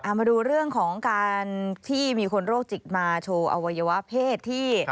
มาดูเรื่องของการที่มีคนโรคจิตมาโชว์อวัยวะเพศที่